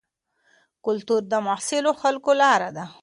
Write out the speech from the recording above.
کلتور د مخلصو خلکو لاره ده.